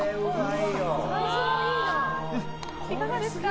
いかがですか？